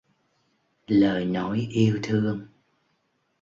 Lời nói yêu thương